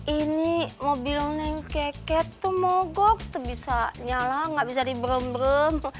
ini mobil neng keket tuh mogok tuh bisa nyala gak bisa diberem berem